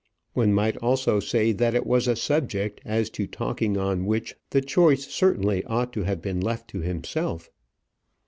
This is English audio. One might also say that it was a subject as to talking on which the choice certainly ought to have been left to himself.